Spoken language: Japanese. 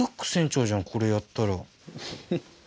これやったら。